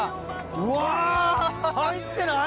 うわ入ってない？